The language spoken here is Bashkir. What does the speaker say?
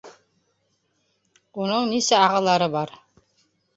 Уның нисә ағалары бар?